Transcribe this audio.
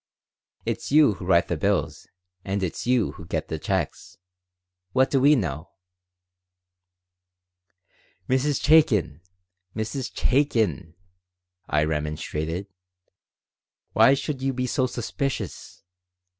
"It's you who write the bills, and it's you who get the checks. What do we know?" "Mrs. Chaikin! Mrs. Chaikin!" I remonstrated. "Why should you be so suspicious?